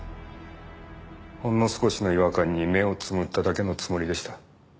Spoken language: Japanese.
ほんの少しの違和感に目をつむっただけのつもりでした。